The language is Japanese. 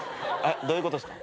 どういうことっすか？